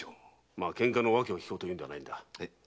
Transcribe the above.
まあ喧嘩の訳を聞こうというのではないんだ。